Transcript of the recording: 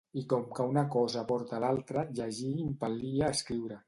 I com que una cosa porta a l’altra, llegir impel·lia a escriure.